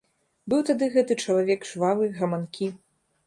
Быў тады гэты чалавек жвавы, гаманкі.